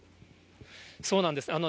そうなんです。